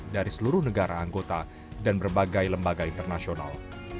dari seluruh negara anggota dan berbagai lembaga internasional